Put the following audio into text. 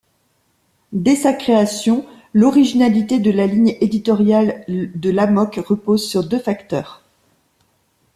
Dès sa création, l'originalité de la ligne éditoriale de l'Amok repose sur deux facteurs.